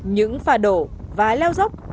những phà đổ và leo dốc